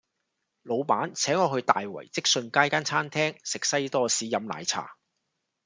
老闆請我去大圍積信街間餐廳食西多士飲奶茶